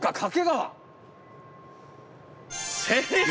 正解！